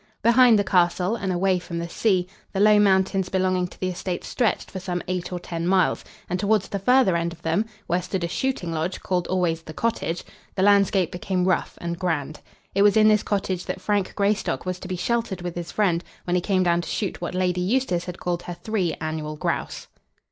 Behind the castle, and away from the sea, the low mountains belonging to the estate stretched for some eight or ten miles; and towards the further end of them, where stood a shooting lodge, called always The Cottage, the landscape became rough and grand. It was in this cottage that Frank Greystock was to be sheltered with his friend, when he came down to shoot what Lady Eustace had called her three annual grouse.